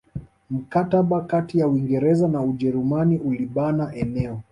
Mkataba kati ya Uingereza na Ujerumani ulibana eneo